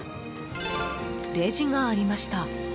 レジがありました。